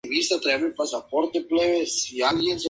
Las páginas afectadas incluían webs financieras.